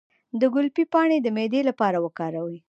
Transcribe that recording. د ګلپي پاڼې د معدې لپاره وکاروئ